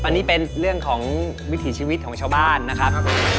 อันนี้เป็นเรื่องของวิถีชีวิตของชาวบ้านนะครับ